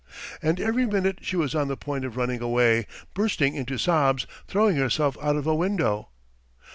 And every minute she was on the point of running away, bursting into sobs, throwing herself out of a window.